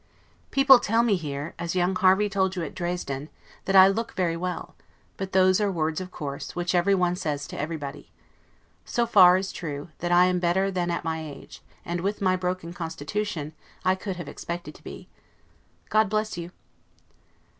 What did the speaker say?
People tell me here, as young Harvey told you at Dresden, that I look very well; but those are words of course, which everyone says to everybody. So far is true, that I am better than at my age, and with my broken constitution, I could have expected to be. God bless you!